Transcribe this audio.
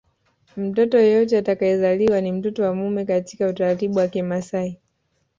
Mtoto yeyote atakayezaliwa ni mtoto wa mume katika utaratibu wa Kimasai